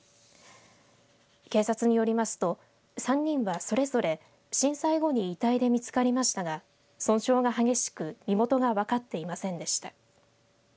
警察によりますと３人はそれぞれ震災後に遺体で見つかりましたが損傷が激しく身元が分かっていませんでした。